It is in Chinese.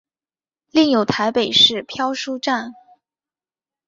另有台北市漂书站。